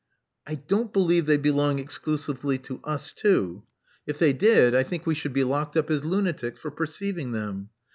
i don't believe they belong exclusively to us two. If they did, I think we should be locked up as lunatics for perceiving them.